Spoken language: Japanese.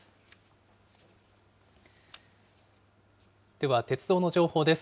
では、鉄道の情報です。